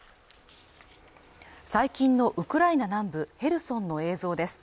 最近のウクライナ南部ヘルソンの映像です